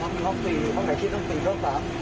ตามครับห้อง๔ห้องไหนคิดห้อง๔เขาตาม